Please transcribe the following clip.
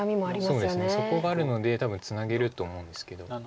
そうですねそこがあるので多分ツナげると思うんですけど。